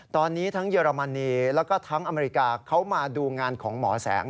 ตอนนี้ทั้งเยอรมนีแล้วก็ทั้งอเมริกาเขามาดูงานของหมอแสง